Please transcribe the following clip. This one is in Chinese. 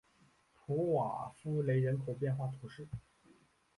普瓦夫雷人口变化图示